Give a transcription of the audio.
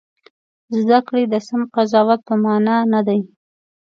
زده کړې د سم قضاوت په مانا نه دي.